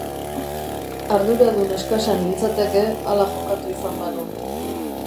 Arduradun eskasa nintzateke hala jokatu izan banu.